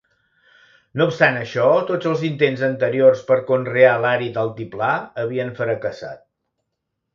No obstant això, tots els intents anteriors per conrear l'àrid altiplà havien fracassat.